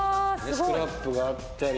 スクラップがあったり。